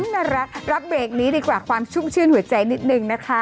น่ารักรับเบรกนี้ดีกว่าความชุ่มชื่นหัวใจนิดนึงนะคะ